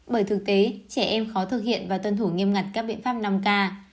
bởi thực tế trẻ em khó thực hiện và tuân thủ nghiêm ngặt các biện pháp năm k